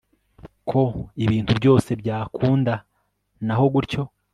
ko ibintu byose byakunda naho gutyo